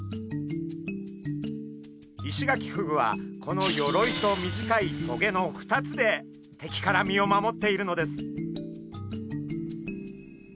イシガキフグはこの鎧と短い棘の２つで敵から身を守っているのです。